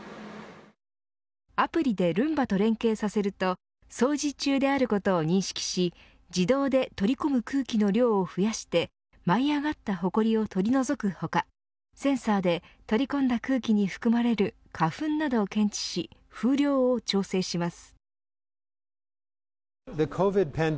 アプリでルンバと連携させると掃除中であることを認識し自動で取り込む空気の量を増やして舞い上がったほこりを取り除く他センサーで取り込んだ空気に含まれる花粉などを検知し風量を調整します。